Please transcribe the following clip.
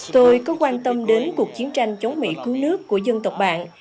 tôi có quan tâm đến cuộc chiến tranh chống mỹ cứu nước của dân tộc bạn